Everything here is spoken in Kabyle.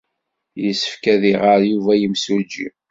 Yessefk ad iɣer Yuba i yimsujji.